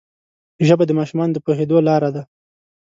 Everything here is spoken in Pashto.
ژبه د ماشومانو د پوهېدو لاره ده